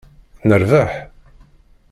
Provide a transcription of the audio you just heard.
Nerbaḥ!